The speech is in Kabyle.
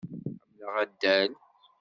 Ḥemmleɣ addal.